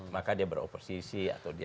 maka dia beroposisi atau dia